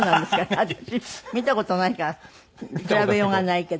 私見た事ないから比べようがないけど。